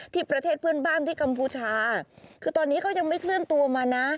ประเทศเพื่อนบ้านที่กัมพูชาคือตอนนี้ก็ยังไม่เคลื่อนตัวมานะ